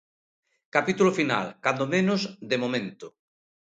Capítulo final, cando menos de momento.